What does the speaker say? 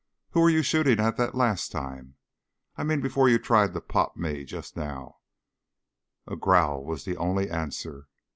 Who were you shooting at the last time? I mean before you tried to pot me just now." A growl was the only answer.